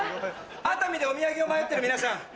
熱海でお土産を迷ってる皆さん。